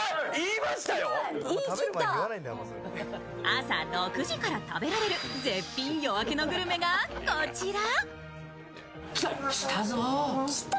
朝６時から食べられる絶品夜明けのグルメが、こちら。